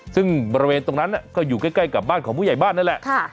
ซึ่งบริเวณตรงนั้นก็อยู่ใกล้กับบ้านของผู้ใหญ่บ้านนั่นแหละ